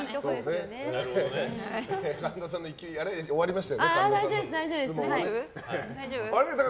神田さんの質問は終わりましたね。